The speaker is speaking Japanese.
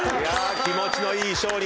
気持ちのいい勝利。